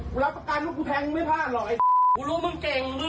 คือเขาไปกรโหลใครมาคะ